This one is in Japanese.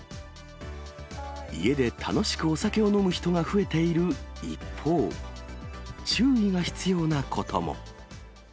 家で楽しくお酒を飲む人が増えている一方、注意が必要なことも。